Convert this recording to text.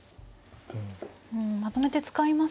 うんまとめて使いますね。